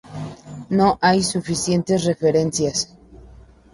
No hay suficientes referencias.